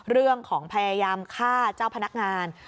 เรื่องของพยายามฆ่าเจ้าพนักงาน